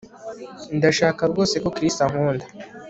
Ndashaka rwose ko Chris ankunda